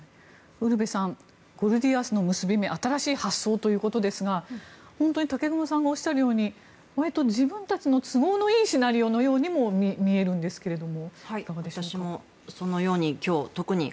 ウルヴェさんゴルディアスの結び目新しい発想ということですが本当に武隈さんがおっしゃるように自分たちの都合のいいシナリオのようにも見えるんですがいかがでしょうか。